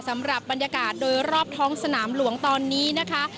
สำหรับบรรยากาศโดยรอบท้องสนามหลวงตอนนี้นะคะ